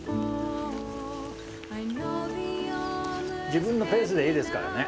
自分のペースでいいですからね。